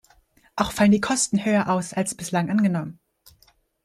Auch fallen die Kosten höher aus, als bislang angenommen.